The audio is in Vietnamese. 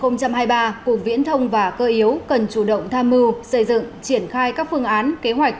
năm hai nghìn hai mươi ba cục viễn thông và cơ yếu cần chủ động tham mưu xây dựng triển khai các phương án kế hoạch